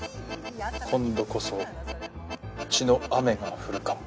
今度こそ血の雨が降るかも。